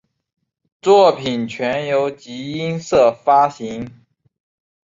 作品全由集英社发行。